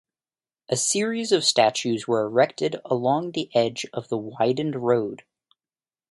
A series of statues were erected along the edge of the widened road.